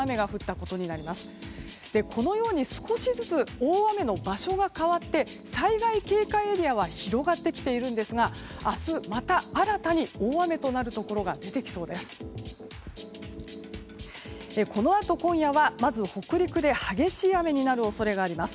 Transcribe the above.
このように少しずつ大雨の場所が変わって災害警戒エリアは広がってきているんですが明日、また新たに大雨となるところが出てきそうです。